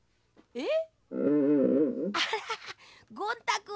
えっ？